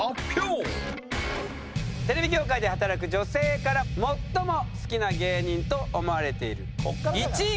テレビ業界で働く女性から最も好きな芸人と思われている１位。